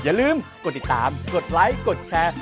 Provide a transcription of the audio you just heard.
อย่าลืมกดติดตามกดไลค์กดแชร์